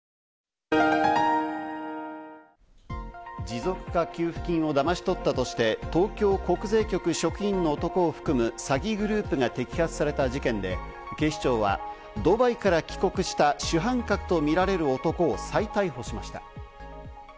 持続化給付金をだまし取ったとして、東京国税局職員の男を含む詐欺グループが摘発された事件で、警視庁はドバイから帰国した主犯格とみられる男を再逮捕しました。